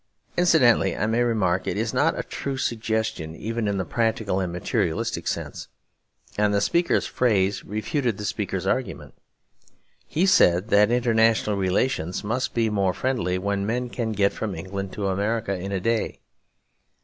Incidentally, I may remark, it is not a true suggestion even in the practical and materialistic sense; and the speaker's phrase refuted the speaker's argument. He said that international relations must be more friendly when men can get from England to America in a day.